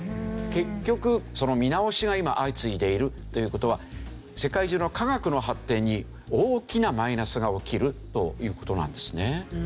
結局その見直しが今相次いでいるという事は世界中の科学の発展に大きなマイナスが起きるという事なんですね。